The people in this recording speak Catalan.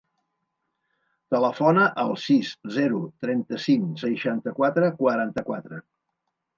Telefona al sis, zero, trenta-cinc, seixanta-quatre, quaranta-quatre.